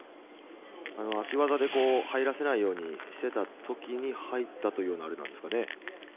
足技で入らせないようにしていた時に、入ったというあれなんですかね。